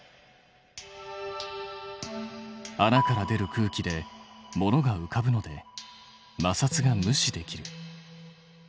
穴から出る空気で物がうかぶのでまさつが無視できる。